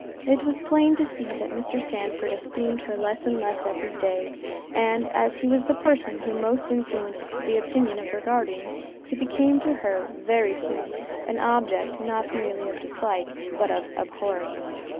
It was plain to see that Mr. Sandford esteemed her less and less every day; and as he was the person who most influenced the opinion of her guardian, he became to her, very soon, an object not merely of dislike, but of abhorrence.